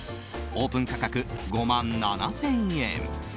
オープン価格５万７０００円。